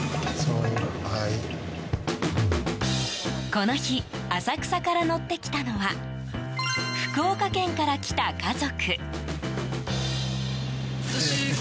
この日浅草から乗ってきたのは福岡県から来た家族。